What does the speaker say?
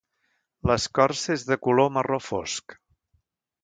L'escorça és de color marró fosc.